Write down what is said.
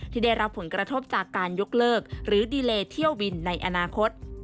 ที่ได้รับผลกระทบจากการยกเลิกหรือดีเลเที่ยวบินในอนาคต